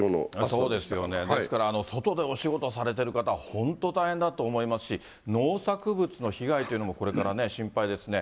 そうですよね、ですから外でお仕事されてる方、本当大変だと思いますし、農作物の被害というのもこれからね、心配ですね。